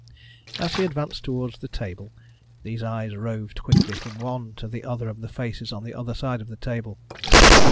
As he advanced towards the table these eyes roved quickly from one to the other of the faces on the other side of the table.